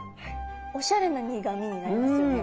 おしゃれな苦みになりますよね。